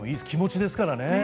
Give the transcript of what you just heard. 気持ちですからね。